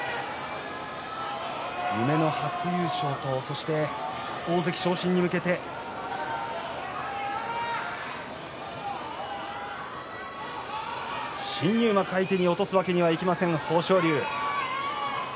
夢の初優勝とそして大関昇進に向けて新入幕相手に落とすわけにはいきません豊昇龍。